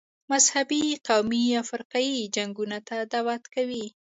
مذهبي، قومي او فرقه یي جنګونو ته دعوت کوي.